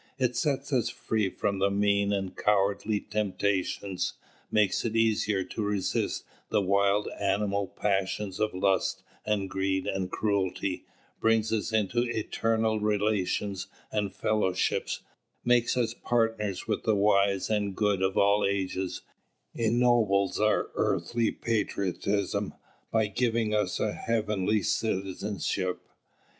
It sets us free from mean and cowardly temptations, makes it easier to resist the wild animal passions of lust and greed and cruelty, brings us into eternal relations and fellowships, makes us partners with the wise and good of all the ages, ennobles our earthly patriotism by giving us a heavenly citizenship.